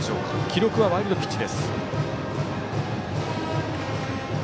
記録はワイルドピッチ。